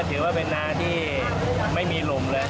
ถือว่าเป็นนาที่ไม่มีหลุมเลย